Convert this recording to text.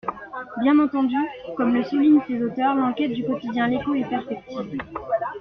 Bien entendu, comme le soulignent ses auteurs, l’enquête du quotidien L’Écho est perfectible.